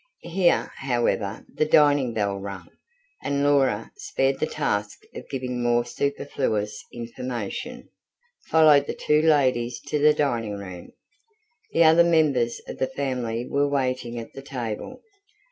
Here, however, the dinner bell rang, and Laura, spared the task of giving more superfluous information, followed the two ladies to the dining room. The other members of the family were waiting at the table.